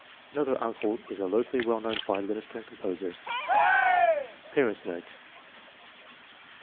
Another uncle is a locally well known violinist and composer. Parents 9 notes.